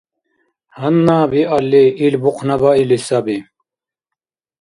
Гьанна биалли ил бухънабаили саби.